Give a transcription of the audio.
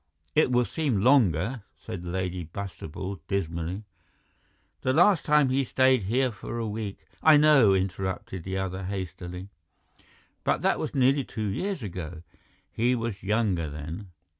"It will seem longer," said Lady Bastable dismally. "The last time he stayed here for a week—" "I know," interrupted the other hastily, "but that was nearly two years ago. He was younger then."